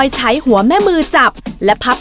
พี่ดาขายดอกบัวมาตั้งแต่อายุ๑๐กว่าขวบ